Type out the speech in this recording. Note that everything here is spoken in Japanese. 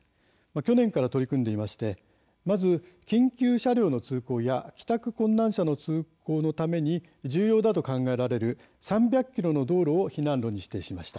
去年から取り組んでいましてまず緊急車両の通行や帰宅困難者の通行のために重要だと考えられる３００ｋｍの道路を避難路に指定しました。